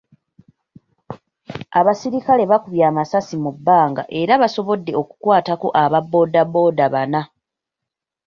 Abasirikale baakubye amasasi mu bbanga era baasobodde okukwatako aba boda boda bana.